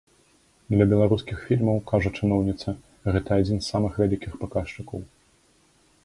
Для беларускіх фільмаў, кажа чыноўніца, гэта адзін з самых вялікіх паказчыкаў.